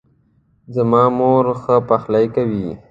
زما مور ښه پخلۍ کوي